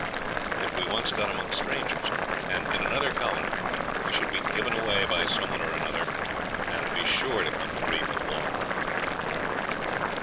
If we once got among strangers and in another colony we should be 'given away' by some one or other, and be sure to come to grief in the long run.